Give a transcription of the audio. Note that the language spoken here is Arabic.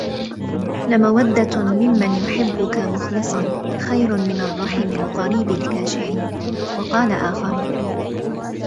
لَمَوَدَّةٌ مِمَّنْ يُحِبُّك مُخْلِصًا خَيْرٌ مِنْ الرَّحِمِ الْقَرِيبِ الْكَاشِحِ وَقَالَ آخَرُ